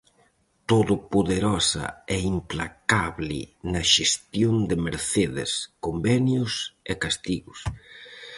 Todopoderosa e implacable na xestión de mercedes, convenios e castigos.